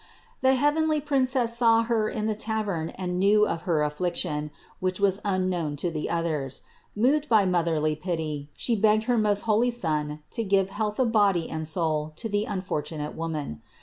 318. The heavenly Princess saw her in the tavern and knew of her affliction, which was unknown to the others. Moved by her motherly pity, She begged her most holy Son to give health of body and soul to the unfortunate 2 18 254 CITY OF GOD woman.